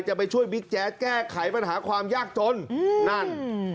จะไปช่วยบิ๊กแจ๊ดแก้ไขปัญหาความยากจนอืมนั่นอืม